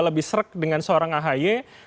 lebih serek dengan seorang ahy